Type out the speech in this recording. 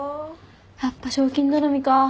やっぱ賞金頼みか。